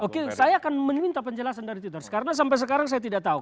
oke saya akan meminta penjelasan dari twitters karena sampai sekarang saya tidak tahu